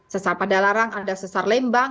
sesar pada larang ada sesar lembang